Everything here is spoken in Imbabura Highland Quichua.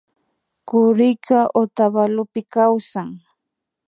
Kurika Otavalopi kawsan